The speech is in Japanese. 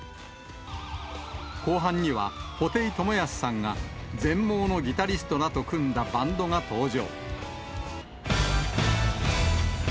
後半には、布袋寅泰さんが全盲のギタリストらと組んだバンドが登場。